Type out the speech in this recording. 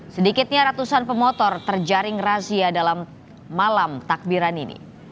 sedikitnya ratusan pemotor terjaring razia dalam malam takbiran ini